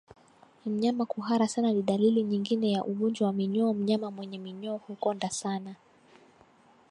Mnyama kuhara sana ni dalili nyingine ya ugonjwa wa minyoo Mnyama mwenye minyoo hukonda sana